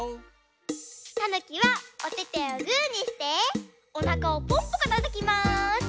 たぬきはおててをグーにしておなかをポンポコたたきます！